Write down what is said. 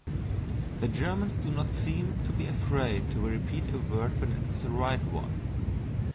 The Germans do not seem to be afraid to repeat a word when it is the right one.